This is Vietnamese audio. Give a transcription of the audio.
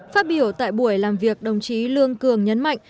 phát biểu tại buổi làm việc đồng chí lương cường nhấn mạnh